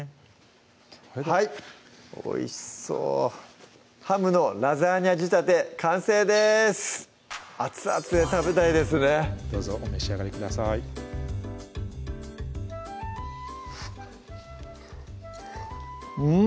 これでおいしそう「ハムのラザーニャ仕立て」完成です熱々で食べたいですねどうぞお召し上がりくださいうん！